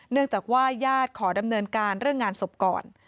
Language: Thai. เนื่องจากว่าญาติขอดำเนินการเรื่องงานศพก่อน